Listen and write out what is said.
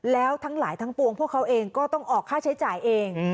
แล้วทั้งหลายทั้งปวงพวกเขาเองก็ต้องออกค่าใช้จ่ายเอง